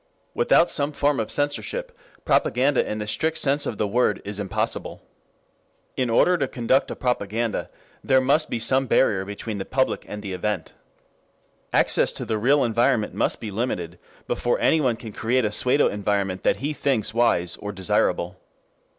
3 Without some form of censorship, propaganda in the strict sense of the word is impossible. In order to conduct a propaganda there must be some barrier between the public and the event. Access to the real environment must be limited, before anyone can create a pseudo environment that he thinks wise or desirable.